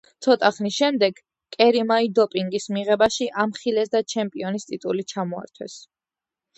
ცოტა ხნის შემდეგ კერიმაი დოპინგის მიღებაში ამხილეს და ჩემპიონის ტიტული ჩამოართვეს.